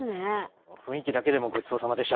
雰囲気だけでもごちそうさまでした。